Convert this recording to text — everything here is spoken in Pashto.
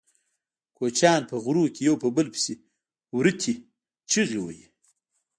کوچیان په غرونو کې یو په بل پسې وریتې چیغې وهي.